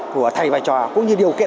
của thầy và trò cũng như điều kiện